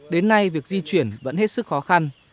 đến nay việc di chuyển vẫn hết sức khó khăn